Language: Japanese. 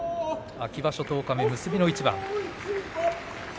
秋場所十日目、結びの一番。